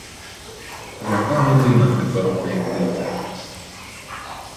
Яка година тепер може бути?